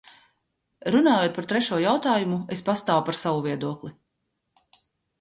Runājot par trešo jautājumu, es pastāvu par savu viedokli.